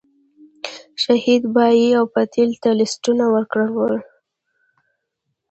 د شهید بابی او پتیال ته لیستونه ورکړي ول.